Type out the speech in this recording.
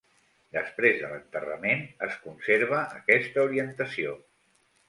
Després de l'enterrament, es conserva aquesta orientació.